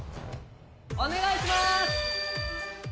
お願いします！